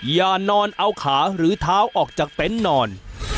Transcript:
อย่านอนเอาขาหรือเท้าออกจากเต็นต์นอน